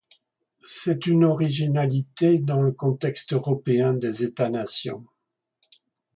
C'est une originalité dans le contexte européen des États-nations.